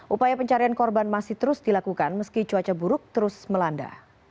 upaya pencarian korban masih terus dilakukan meski cuaca buruk terus melanda